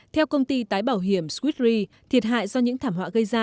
theo công ty tái bảo hiểm skytry thiệt hại do những thảm họa gây ra